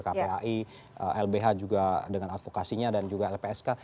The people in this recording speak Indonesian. kpai lbh juga dengan advokasinya dan juga lpsk